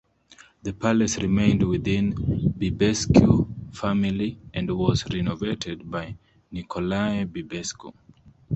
The palace remained within Bibescu family and was renovated by Nicolae Bibescu.